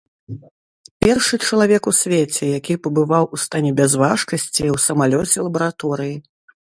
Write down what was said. Першы чалавек у свеце, які пабываў у стане бязважкасці ў самалёце-лабараторыі.